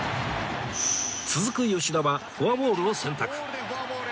続く吉田はフォアボールを選択